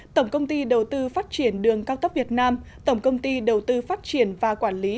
tổng công ty đầu tư phát triển đường cao tốc việt nam tổng công ty đầu tư phát triển và quản lý